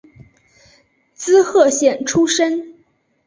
滋贺县出身。